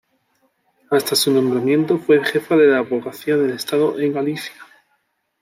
Hasta su nombramiento fue jefa de la abogacía del estado en Galicia.